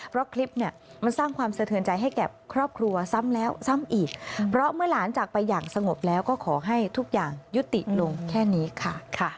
เพราะคลิปเนี่ยมันสร้างความสะเทือนใจให้แก่ครอบครัวซ้ำแล้วซ้ำอีกเพราะเมื่อหลานจากไปอย่างสงบแล้วก็ขอให้ทุกอย่างยุติลงแค่นี้ค่ะ